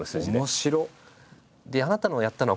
面白っ！